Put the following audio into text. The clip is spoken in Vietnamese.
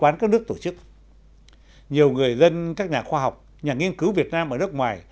nhiều người dân các nhà khoa học nhà nghiên cứu việt nam ở nước ngoài